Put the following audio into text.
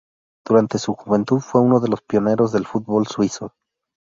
Durante su juventud fue uno de los pioneros del fútbol suizo.